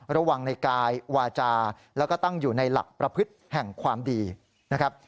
ระวังในกายวาจาแล้วก็ตั้งอยู่ในหลักประพฤติแห่งความดีนะครับ